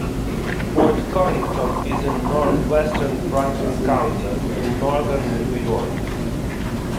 Fort Covington is in northwestern Franklin County, in northern New York.